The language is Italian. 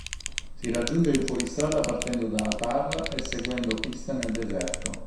Si raggiunge in fuoristrada partendo da Atar e seguendo piste nel deserto.